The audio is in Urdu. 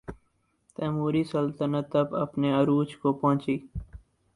تیموری سلطنت تب اپنے عروج کو پہنچی۔